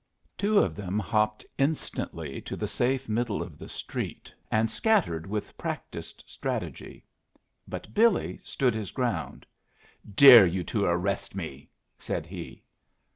Two of them hopped instantly to the safe middle of the street, and scattered with practiced strategy; but Billy stood his ground. "Dare you to arrest me!" said he.